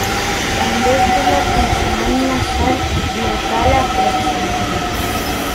També té la consonant nasal glotal aproximant.